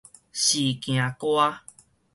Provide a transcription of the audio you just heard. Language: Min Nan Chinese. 時行歌